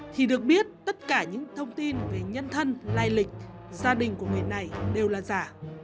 thì được biết tất cả những thông tin về nhân thân lai lịch gia đình của người này đều là giả